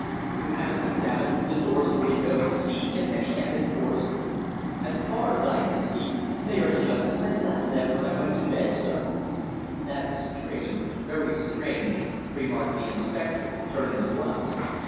"You haven't examined the doors and windows to see if any have been forced?" "As far as I can see, they are just as I left them when I went to bed, sir." "That's strange very strange," remarked the inspector, turning to us.